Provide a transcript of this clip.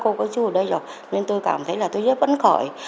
của các cô các chú ở đây rồi nên tôi cảm thấy là tôi rất vấn khỏi